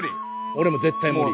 俺も絶対無理！